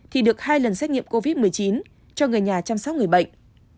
thì được hai lần xét nghiệm covid một mươi chín cho người nhà chăm sóc người bệnh